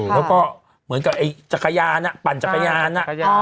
แล้วก็เหมือนกับไอ้จักรยานปั่นจักรยาน